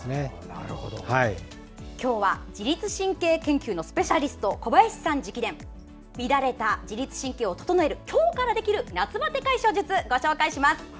今日は自律神経研究のスペシャリスト小林さん直伝乱れた自律神経を整える今日からできる夏バテ解消術ご紹介します。